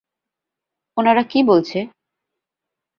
ওনারা কী বলছে?